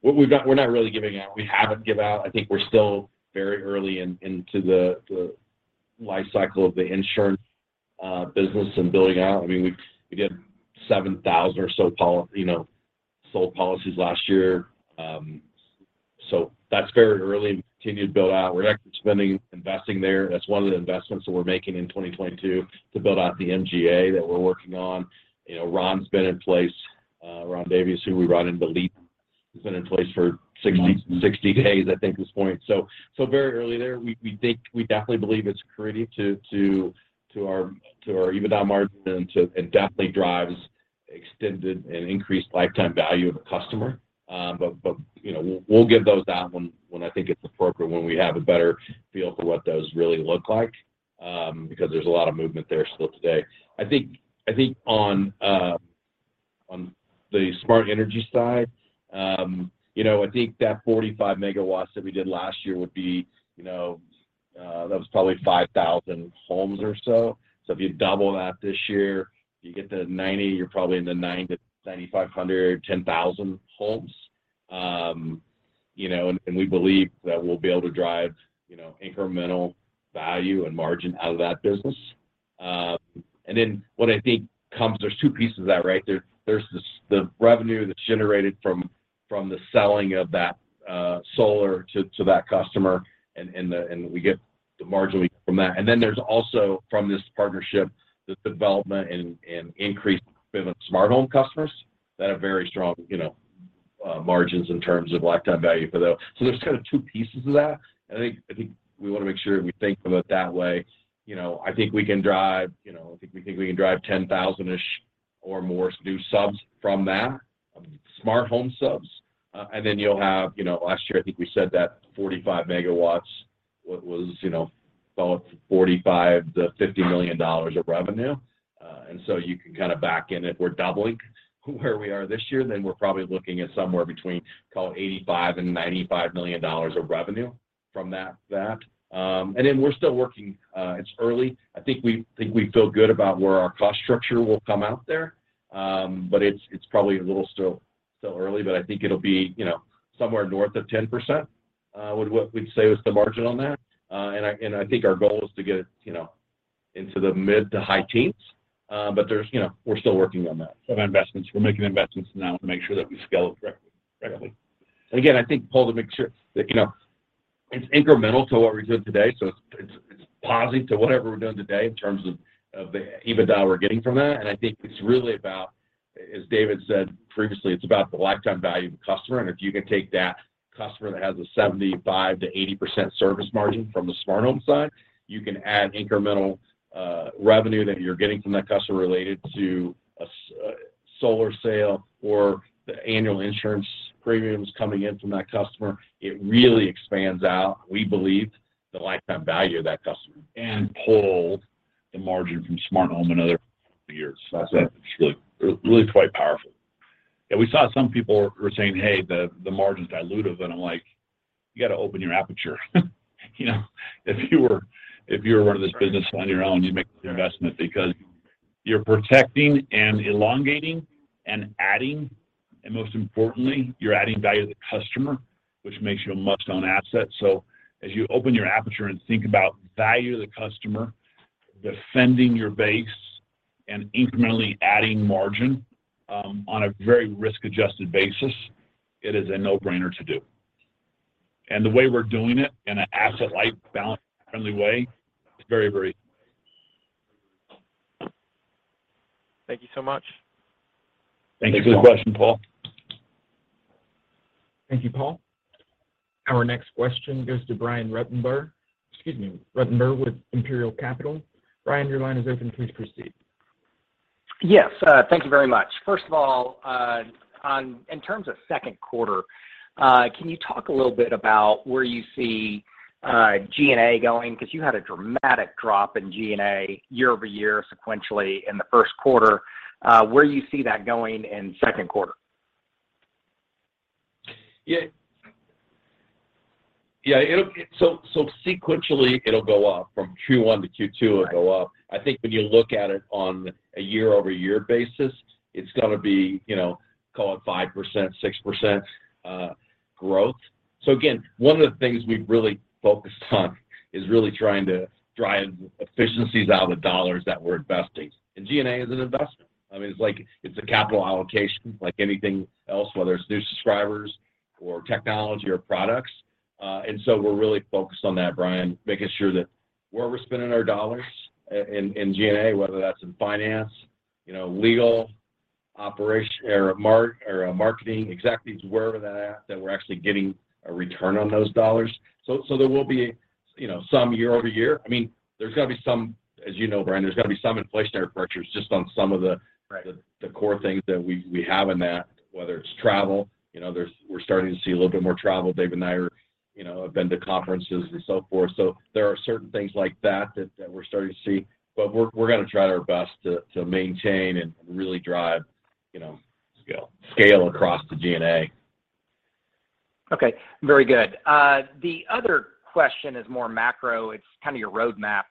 We're not really giving out. We haven't given out. I think we're still very early into the life cycle of the insurance business and building out. I mean, we did 7,000 or so, you know, sold policies last year. That's very early and continue to build out. We're actually spending, investing there. That's one of the investments that we're making in 2022 to build out the MGA that we're working on. You know, Ron's been in place, Ron Davies, who we brought in to lead, has been in place for 60 days, I think, at this point. Very early there. We definitely believe it's accretive to our EBITDA margin and it definitely drives extended and increased lifetime value of a customer. But you know, we'll give those out when I think it's appropriate, when we have a better feel for what those really look like, because there's a lot of movement there still today. I think on the Smart Energy side, you know, I think that 45 MW that we did last year would be, you know, that was probably 5,000 homes or so. So if you double that this year, you get to 90, you're probably in the 9,000 to 9,500, 10,000 homes. You know, we believe that we'll be able to drive, you know, incremental value and margin out of that business. What I think comes, there's two pieces of that, right? There's the revenue that's generated from the selling of that solar to that customer, and we get the margin we get from that. There's also from this partnership the development and increase in smart home customers that have very strong, you know, margins in terms of lifetime value for those. There's kind of two pieces to that. I think we wanna make sure we think about it that way. You know, I think we can drive 10,000-ish or more new subs from that, smart home subs. You'll have, you know, last year I think we said that 45 MW was, you know, call it $45-$50 million of revenue. You can kinda back in. If we're doubling where we are this year, then we're probably looking at somewhere between call it $85-$95 million of revenue from that. We're still working. It's early. I think we feel good about where our cost structure will come out there. But it's probably a little still early, but I think it'll be, you know, somewhere north of 10%, what we'd say was the margin on that. I think our goal is to get it, you know, into the mid- to high teens. There's, you know, we're still working on that. Our investments, we're making investments now to make sure that we scale it correctly. Again, I think, Paul, to make sure that, you know, it's incremental to what we're doing today, so it's positive to whatever we're doing today in terms of the EBITDA we're getting from that. I think it's really about, as David said previously, it's about the lifetime value of the customer, and if you can take that customer that has a 75%-80% service margin from the smart home side, you can add incremental revenue that you're getting from that customer related to a solar sale or the annual insurance premiums coming in from that customer. It really expands out, we believe, the lifetime value of that customer and pull the margin from smart home in other years. It's really quite powerful. Yeah, we saw some people were saying, "Hey, the margin's dilutive," and I'm like, "You gotta open your aperture." You know? If you were running this business on your own, you'd make the investment because you're protecting and elongating and adding, and most importantly, you're adding value to the customer, which makes you a must-own asset. So as you open your aperture and think about value to the customer, defending your base, and incrementally adding margin, on a very risk-adjusted basis, it is a no-brainer to do. The way we're doing it in a asset-light, balance sheet-friendly way, it's very, very Thank you so much. Thank you for the question, Paul. Thank you, Paul. Our next question goes to Brian Ruttenbur. Excuse me, Ruttenbur with Imperial Capital. Brian, your line is open. Please proceed. Yes, thank you very much. First of all, in terms of Q2, can you talk a little bit about where you see G&A going? 'Cause you had a dramatic drop in G&A year over year sequentially in the Q1. Where do you see that going in Q2? Yeah. Yeah, it'll go up. Sequentially it'll go up. From Q1 to Q2 it'll go up. I think when you look at it on a year-over-year basis, it's gonna be, you know, call it 5%, 6% growth. So again, one of the things we've really focused on is really trying to drive efficiencies out of the dollars that we're investing. G&A is an investment. I mean, it's like a capital allocation like anything else, whether it's new subscribers or technology or products. We're really focused on that, Brian, making sure that where we're spending our dollars in G&A, whether that's in finance, you know, legal, operations or marketing, executives, wherever that's at, that we're actually getting a return on those dollars. There will be, you know, some year-over-year. I mean, there's gotta be some, as you know, Brian, there's gotta be some inflationary pressures just on some of the. Right The core things that we have in that, whether it's travel. You know, we're starting to see a little bit more travel. David and I, you know, have been to conferences and so forth, so there are certain things like that that we're starting to see. We're gonna try our best to maintain and really drive, you know. Scale Scale across the G&A. Okay. Very good. The other question is more macro. It's kinda your roadmap.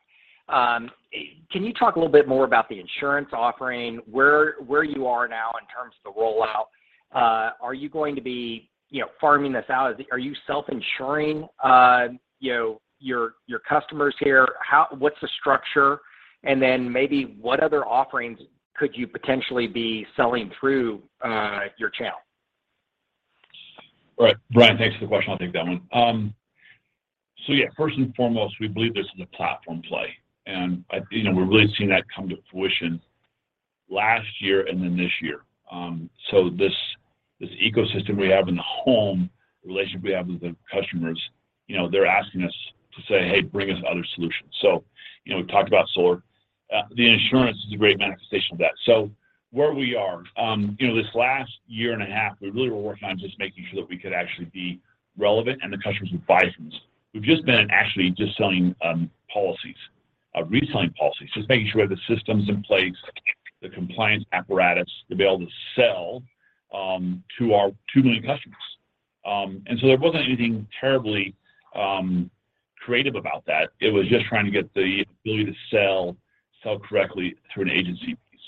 Can you talk a little bit more about the insurance offering, where you are now in terms of the rollout? Are you going to be, you know, farming this out? Are you self-insuring, you know, your customers here? What's the structure? Then maybe what other offerings could you potentially be selling through your channel? Right. Brian, thanks for the question. I'll take that one. First and foremost, we believe this is a platform play, and I, you know, we're really seeing that come to fruition last year and then this year. This ecosystem we have in the home, the relationship we have with the customers, you know, they're asking us to say, "Hey, bring us other solutions." You know, we've talked about solar. The insurance is a great manifestation of that. Where we are, you know, this last year and a half, we really were working on just making sure that we could actually be relevant and the customers would buy from us. We've just been actually selling policies, re-selling policies, just making sure the systems in place, the compliance apparatus to be able to sell to our 2 million customers. There wasn't anything terribly creative about that. It was just trying to get the ability to sell correctly through an agency piece.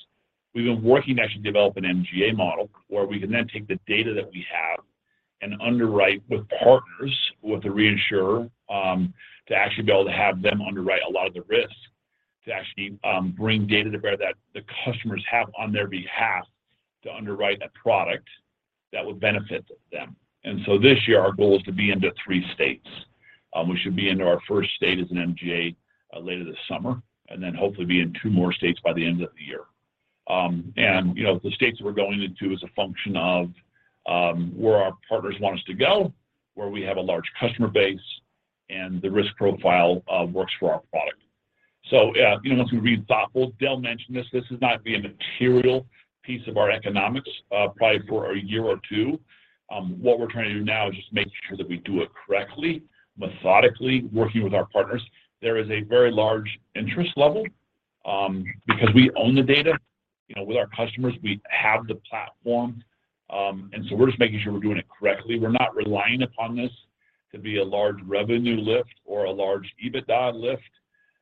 We've been working to actually develop an MGA model, where we can then take the data that we have and underwrite with partners, with a reinsurer, to actually be able to have them underwrite a lot of the risk to actually bring data to bear that the customers have on their behalf to underwrite a product that would benefit them. This year, our goal is to be into three states. We should be into our first state as an MGA later this summer, and then hopefully be in two more states by the end of the year. You know, the states we're going into is a function of where our partners want us to go, where we have a large customer base, and the risk profile works for our product. You know, Dale mentioned this is not gonna be a material piece of our economics, probably for a year or two. What we're trying to do now is just making sure that we do it correctly, methodically, working with our partners. There is a very large interest level because we own the data, you know, with our customers, we have the platform. We're just making sure we're doing it correctly. We're not relying upon this to be a large revenue lift or a large EBITDA lift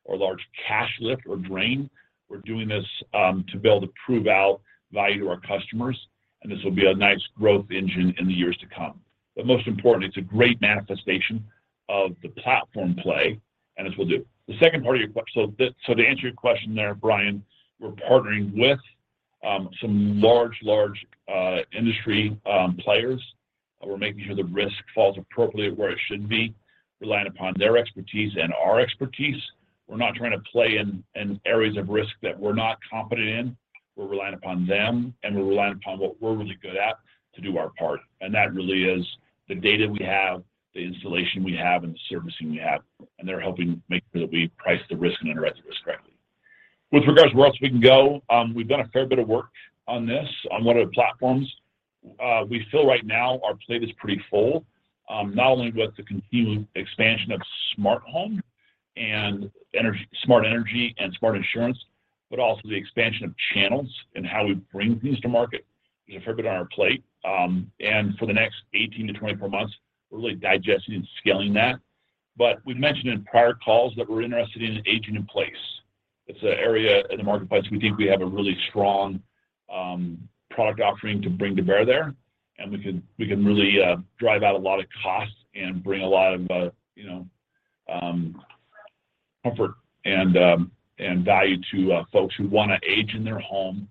or large cash lift or drain. We're doing this to be able to prove out value to our customers, and this will be a nice growth engine in the years to come. Most importantly, it's a great manifestation of the platform play, and as we'll do. The second part of your question. To answer your question there, Brian, we're partnering with some large industry players. We're making sure the risk falls appropriately where it should be, relying upon their expertise and our expertise. We're not trying to play in areas of risk that we're not competent in. We're relying upon them, and we're relying upon what we're really good at to do our part. That really is the data we have, the installation we have, and the servicing we have. They're helping make sure that we price the risk and underwrite the risk correctly. With regards to where else we can go, we've done a fair bit of work on this, on one of the platforms. We feel right now our plate is pretty full, not only with the continued expansion of Smart Home, Smart Energy and Smart Insurance, but also the expansion of channels and how we bring things to market. There's a fair bit on our plate. For the next 18-24 months, we're really digesting and scaling that. We've mentioned in prior calls that we're interested in aging in place. It's an area in the marketplace we think we have a really strong product offering to bring to bear there, and we can really drive out a lot of costs and bring a lot of you know comfort and value to folks who wanna age in their home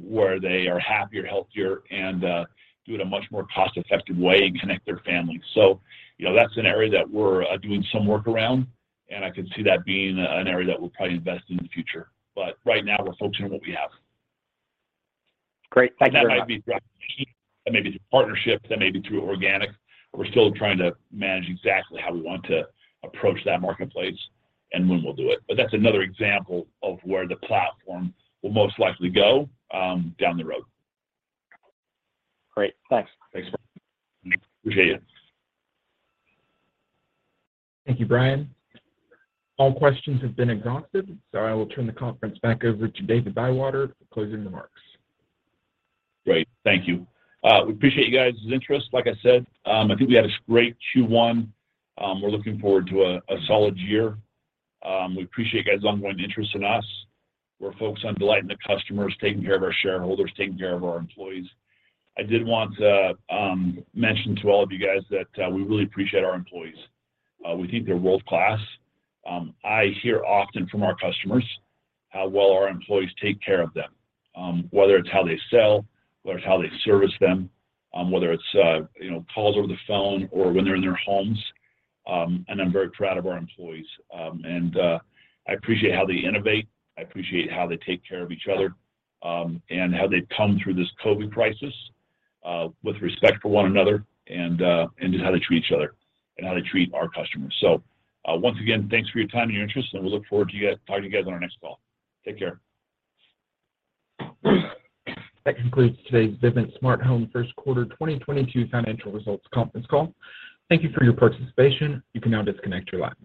where they are happier, healthier, and do it in a much more cost-effective way and connect their families. You know, that's an area that we're doing some work around, and I can see that being an area that we'll probably invest in the future. Right now, we're focusing on what we have. Great. Thank you very much. That might be through acquisition, that may be through partnerships, that may be through organic. We're still trying to manage exactly how we want to approach that marketplace and when we'll do it. That's another example of where the platform will most likely go down the road. Great. Thanks. Thanks. Appreciate it. Thank you, Brian. All questions have been exhausted. I will turn the conference back over to David Bywater for closing remarks. Great. Thank you. We appreciate you guys' interest. Like I said, I think we had a great Q1. We're looking forward to a solid year. We appreciate you guys' ongoing interest in us. We're focused on delighting the customers, taking care of our shareholders, taking care of our employees. I did want to mention to all of you guys that we really appreciate our employees. We think they're world-class. I hear often from our customers how well our employees take care of them, whether it's how they sell, whether it's how they service them, whether it's you know, calls over the phone or when they're in their homes. I'm very proud of our employees. I appreciate how they innovate. I appreciate how they take care of each other, and how they've come through this COVID crisis with respect for one another and just how they treat each other and how they treat our customers. Once again, thanks for your time and your interest, and we look forward to talking to you guys on our next call. Take care. That concludes today's Vivint Smart Home Q1 2022 Financial Results conference call. Thank you for your participation. You can now disconnect your line.